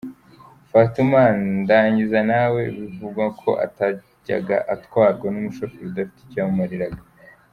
– Fatuma Ndangiza nawe bivugwa ko atajyaga atwarwa n’umushoferi udafite icyo yamumariraga.